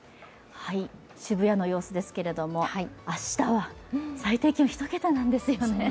渋谷の様子ですけれども、明日は最低気温１桁なんですよね。